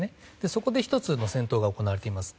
そこで１つの戦闘が行われています。